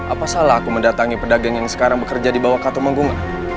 apa salah aku mendatangi pedagang yang sekarang bekerja di bawah katumenggung